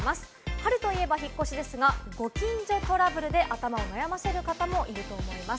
春といえば引っ越しですが、ご近所トラブルで頭を悩ませる方もいると思います。